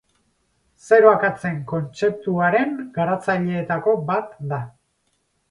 Zero akatsen kontzeptuaren garatzaileetako bat da.